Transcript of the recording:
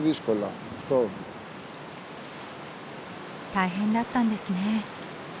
大変だったんですね。